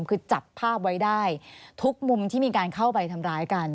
คือจับภาพไว้ได้ทุกมุมที่มีการเข้าไปทำร้ายกัน